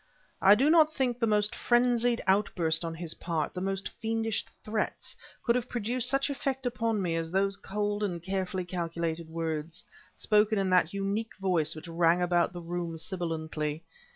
I do not think the most frenzied outburst on his part, the most fiendish threats, could have produced such effect upon me as those cold and carefully calculated words, spoken in that unique voice which rang about the room sibilantly.